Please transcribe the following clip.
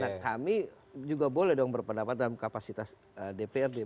nah kami juga boleh dong berpendapat dalam kapasitas dprd